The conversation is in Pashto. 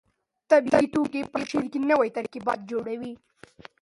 طبیعي توکي په شعر کې نوي ترکیبات جوړوي.